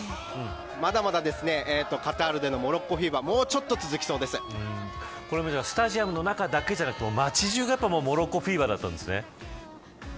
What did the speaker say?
まだまだカタールでのモロッコフィーバースタジアムの中だけじゃなくて街中がモロッコフィーバー